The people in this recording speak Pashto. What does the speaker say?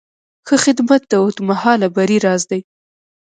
ښه خدمت د اوږدمهاله بری راز دی.